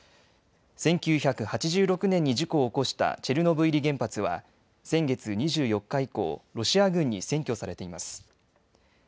１９８６年に事故を起こしたチェルノブイリ原発は先月２４日以降、ロシア軍に占拠されています。